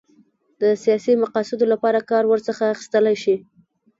د سیاسي مقاصدو لپاره کار ورڅخه اخیستلای شي.